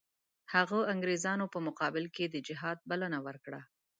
هغه انګریزانو په مقابل کې د جهاد بلنه ورکړه.